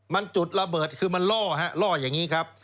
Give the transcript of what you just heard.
มันจุดระเบิดคือมันล่อฮะล่ออย่างนี้ครับ